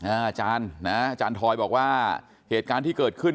อาจารย์นะอาจารย์ทอยบอกว่าเหตุการณ์ที่เกิดขึ้น